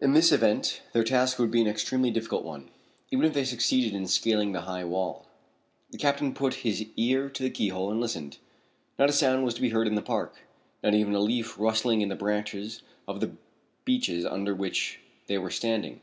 In this event their task would be an extremely difficult one, even if they succeeded in scaling the high wall. The captain put his ear to the key hole and listened. Not a sound was to be heard in the park. Not even a leaf was rustling in the branches of the beeches under which they were standing.